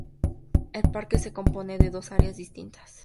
El parque se compone de dos áreas distintas:.